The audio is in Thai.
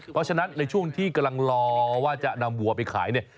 เพราะฉะนั้นในช่วงที่กำลังรอว่าจะนำวัวไปขายเนี่ย